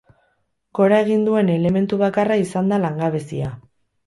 Gora egin duen elementu bakarra izan da langabezia.